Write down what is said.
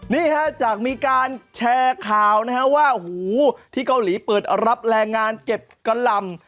นี่ฮะจากมีการแชร์ข่าวนะฮะว่าหูที่เกาหลีเปิดรับแรงงานเก็บกะหล่ำ